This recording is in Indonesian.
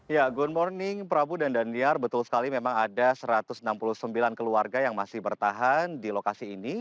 ya good morning prabu dan daniar betul sekali memang ada satu ratus enam puluh sembilan keluarga yang masih bertahan di lokasi ini